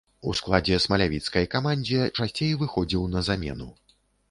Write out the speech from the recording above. У складзе смалявіцкай камандзе часцей выхадзіў на замену.